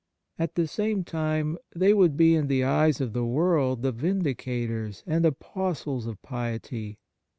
At the same time they would be in the eyes of the world the vindicators and apostles of piety.